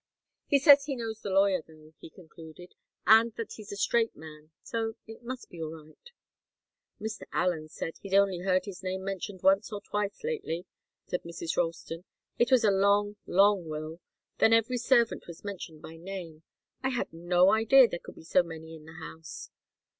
"He says he knows the lawyer, though," he concluded, "and that he's a straight man, so it must be all right." "Mr. Allen said he'd only heard his name mentioned once or twice lately," said Mrs. Ralston. "It was a long, long will. Then every servant was mentioned by name. I had no idea there could be so many in the house."